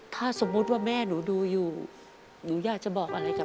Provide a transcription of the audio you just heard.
ถ้าสมมุติว่าแม่หนูดูอยู่หนูอยากจะบอกอะไรกับ